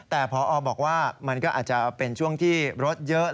แต่พอบอกว่ามันก็อาจจะเป็นช่วงที่รถเยอะ